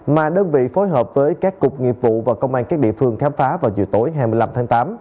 mà đơn vị phối hợp với các cục nghiệp vụ và công an các địa phương khám phá vào chiều tối hai mươi năm tháng tám